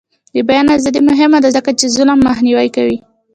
د بیان ازادي مهمه ده ځکه چې ظلم مخنیوی کوي.